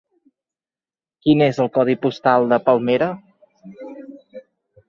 Quin és el codi postal de Palmera?